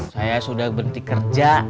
saya sudah berhenti kerja